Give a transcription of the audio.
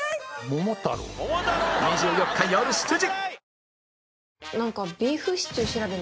２４日よる７時！